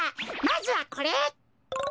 まずはこれ。